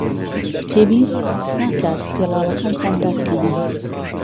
پێویست ناکات پێڵاوەکانتان دابکەنن.